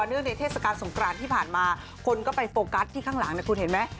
ในเทศกาลสงกรานที่ผ่านมาคนก็ไปโฟกัสที่ข้างหลังนะคุณเห็นไหม